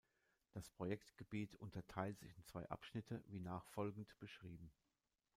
Das Projektgebiet unterteilt sich in zwei Abschnitte wie nachfolgend beschrieben.